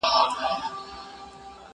د نېکۍ او د احسان خبري ښې دي